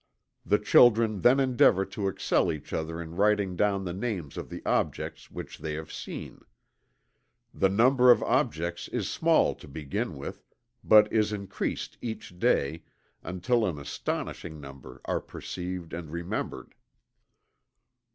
The children then endeavor to excel each other in writing down the names of the objects which they have seen. The number of objects is small to begin with, but is increased each day, until an astonishing number are perceived and remembered.